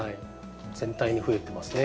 全体に増えてますね。